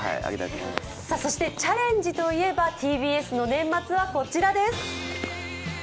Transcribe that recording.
そしてチャレンジといえばＴＢＳの年末はこちらです。